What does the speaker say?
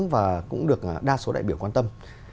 và cũng được đa số đại biểu quan tâm